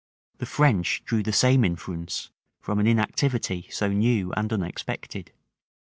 The French drew the same inference from an inactivity so new and unexpected.